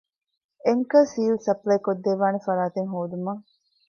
އެންކަރ ސީލް ސަޕްލައިކޮށްދެއްވާނެ ފަރާތެެއް ހޯދުމަށް